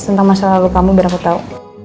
tentang masalah lupamu biar aku tau